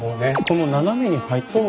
この斜めに入った線。